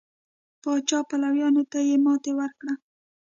پاچا پلویانو ته یې ماتې ورکړه.